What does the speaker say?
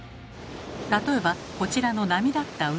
例えばこちらの波立った海。